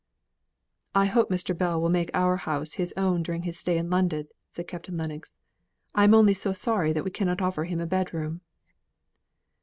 "I hope Mr. Bell will make our house his own during his stay in London," said Captain Lennox. "I am only so sorry we cannot offer him a bedroom."